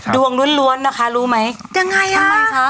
ดวงล้วนนะคะรู้ไหมทำไมคะยังไง